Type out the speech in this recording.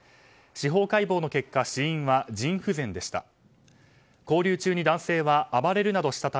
司法解剖の結果死因は腎不全でした。